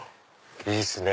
いいっすね！